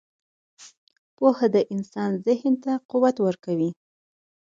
• پوهه د انسان ذهن ته قوت ورکوي.